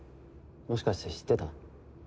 もしかして知ってた？